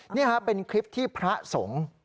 นี่ฮะเป็นคลิปที่พระสงฆ์